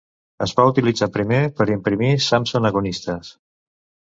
Es va utilitzar primer per imprimir Samson Agonistes.